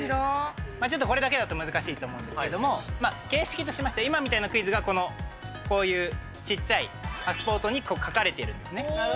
ちょっとこれだけだと難しいと思うんですけれども、形式としまして、今みたいなクイズがこのこういう、ちっちゃいパスポートに書かれているんですね。